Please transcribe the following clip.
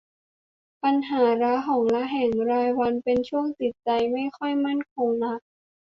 ปัญหาระหองระแหงรายวัน เป็นช่วงจิตใจไม่ค่อยมั่นคงนัก